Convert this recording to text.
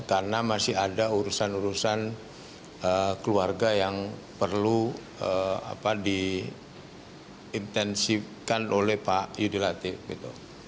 karena masih ada urusan urusan keluarga yang perlu diintensifkan oleh pak yudi latif gitu